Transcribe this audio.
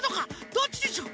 どっちでしょう？